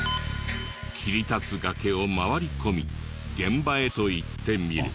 切り立つ崖を回り込み現場へと行ってみる。